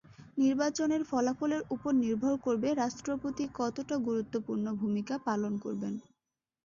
নির্বাচনের ফলাফলের ওপর নির্ভর করবে রাষ্ট্রপতি কতটা গুরুত্বপূর্ণ ভূমিকা পালন করবেন।